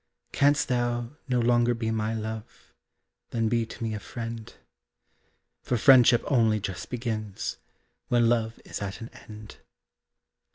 Canst thou no longer be my love, Then be to me a friend; For friendship only just begins When love is at an end.